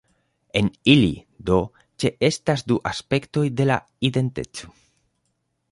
En ili, do, ĉeestas du aspektoj de la identeco.